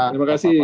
terima kasih semua